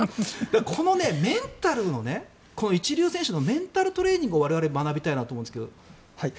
このメンタルの一流選手のメンタルトレーニングを我々学びたいと思うんですが。